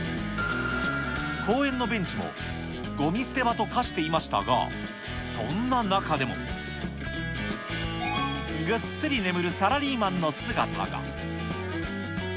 公園のベンチもごみ捨て場と化していましたが、そんな中でも、ぐっすり眠るサラリーマンの姿が。